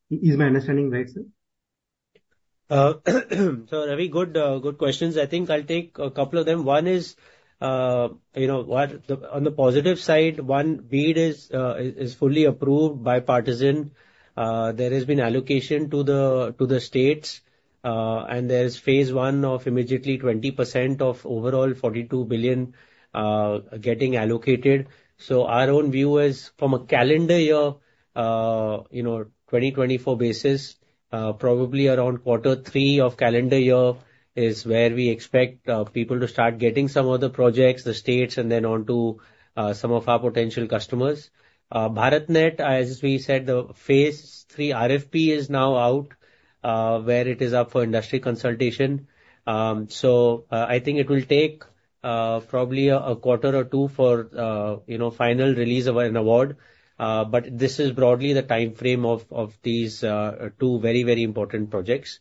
Is my understanding right, sir? So Ravi, good, good questions. I think I'll take a couple of them. One is, you know, what... On the positive side, one, BEAD is fully approved bipartisan. There has been allocation to the, to the states, and there is phase one of immediately 20% of overall $42 billion getting allocated. So our own view is from a calendar year, you know, 2024 basis, probably around quarter three of calendar year is where we expect people to start getting some of the projects, the states, and then on to some of our potential customers. BharatNet, as we said, the phase three RFP is now out, where it is up for industry consultation. So, I think it will take probably a quarter or two for you know, final release of an award. But this is broadly the timeframe of these two very, very important projects.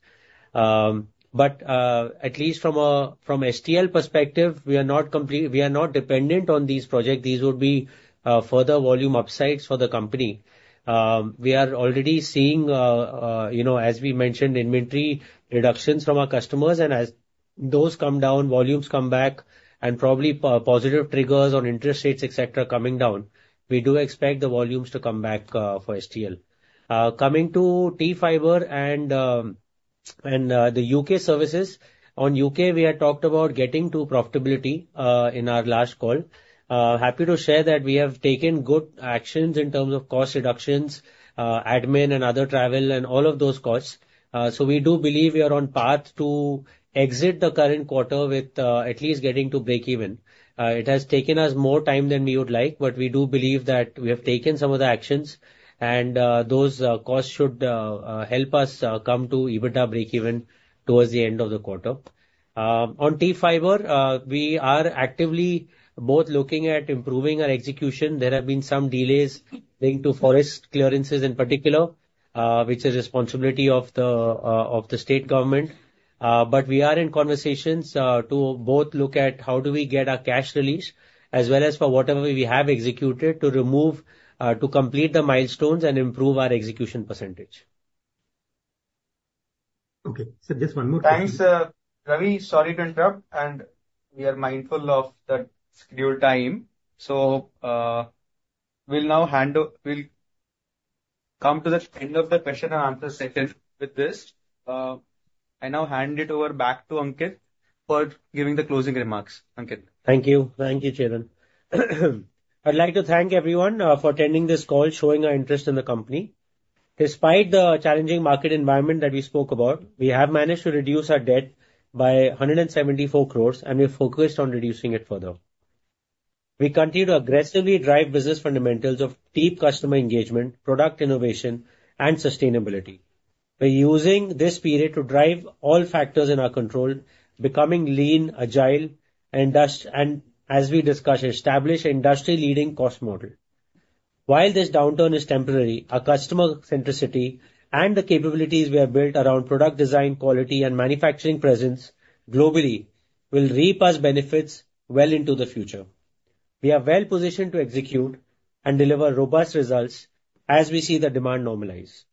But at least from STL perspective, we are not dependent on these projects. These would be further volume upsides for the company. We are already seeing you know, as we mentioned, inventory reductions from our customers, and as those come down, volumes come back and probably positive triggers on interest rates, et cetera, coming down, we do expect the volumes to come back for STL. Coming to T-Fiber and the U.K. services. On U.K. we had talked about getting to profitability in our last call. Happy to share that we have taken good actions in terms of cost reductions, admin and other travel and all of those costs. So we do believe we are on path to exit the current quarter with, at least getting to breakeven. It has taken us more time than we would like, but we do believe that we have taken some of the actions, and, those costs should, help us, come to EBITDA breakeven towards the end of the quarter. On T-Fiber, we are actively both looking at improving our execution. There have been some delays owing to forest clearances in particular, which is responsibility of the, of the state government. But we are in conversations to both look at how do we get our cash release, as well as for whatever we have executed to remove to complete the milestones and improve our execution percentage. Okay. So just one more question. Thanks, Ravi. Sorry to interrupt, and we are mindful of the scheduled time. So, we'll now come to the end of the question and answer session with this. I now hand it over back to Ankit for giving the closing remarks. Ankit. Thank you. Thank you, Charan. I'd like to thank everyone for attending this call, showing your interest in the company. Despite the challenging market environment that we spoke about, we have managed to reduce our debt by 174 crore, and we are focused on reducing it further. We continue to aggressively drive business fundamentals of deep customer engagement, product innovation, and sustainability. We're using this period to drive all factors in our control, becoming lean, agile, and thus, and as we discussed, establish industry-leading cost model. While this downturn is temporary, our customer centricity and the capabilities we have built around product design, quality, and manufacturing presence globally will reap us benefits well into the future. We are well positioned to execute and deliver robust results as we see the demand normalize.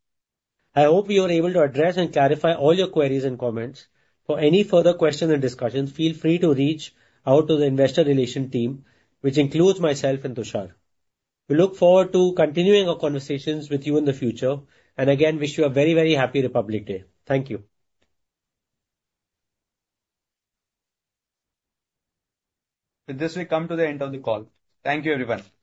I hope we were able to address and clarify all your queries and comments. For any further questions and discussions, feel free to reach out to the investor relations team, which includes myself and Tushar. We look forward to continuing our conversations with you in the future, and again, wish you a very, very happy Republic Day. Thank you. With this, we come to the end of the call. Thank you, everyone.